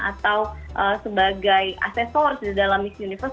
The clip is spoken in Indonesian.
atau sebagai asesor di dalam miss universe